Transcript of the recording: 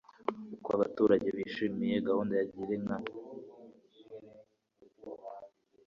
uko abaturage bishimiye gahunda ya girinka